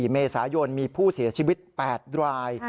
๔เมษายนมีผู้เสียชีวิต๘ราย